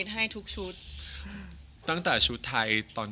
จะรักเธอเพียงคนเดียว